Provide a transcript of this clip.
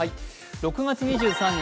６月２３日